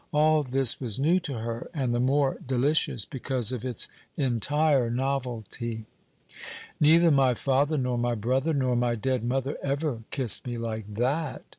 All this was new to her, and the more delicious because of its entire novelty. "Neither my father, nor my brother, nor my dead mother ever kissed me like that!"